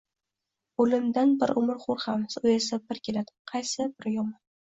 O’limdan bir umr qo’rqamiz, u esa bir keladi. Qaysi biri yomon?